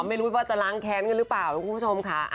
ไม่รู้ว่าจะล้างแค้นกันหรือเปล่านะคุณผู้ชมค่ะ